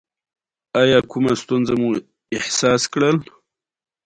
خاوره د افغانستان د چاپیریال د مدیریت لپاره مهم دي.